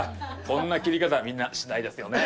こんな切り方みんなしないですよね。